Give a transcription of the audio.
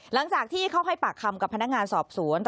หลังจากที่เขาให้ปากคำกับพนักงานสอบสวน